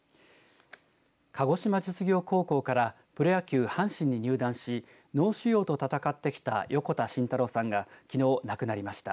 鹿児島実業高校からプロ野球阪神に入団し脳腫瘍と闘ってきた横田慎太郎さんがきのう亡くなりました。